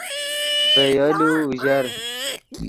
ڤے یولو اوژر